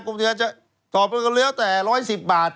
กรมอุทยานจะถอดไปกันแล้วแต่๑๑๐บาท